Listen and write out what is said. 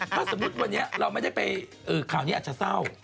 ถ้าสมมุติวันนี้เราไม่ได้ไปข่าวนี้อาจจะเศร้า